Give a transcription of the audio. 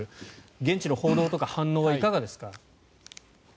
現地の報道とか反応はいかがですか。